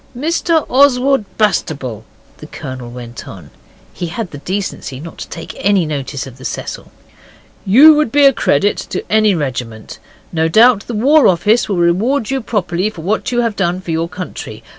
'Mr Oswald Bastable,' the Colonel went on he had the decency not to take any notice of the 'Cecil' 'you would be a credit to any regiment. No doubt the War Office will reward you properly for what you have done for your country.